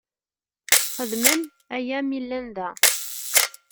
Xedmen aya mi llan da.